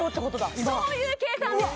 今そういう計算です